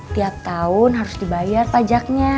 tiap tahun harus dibayar pajaknya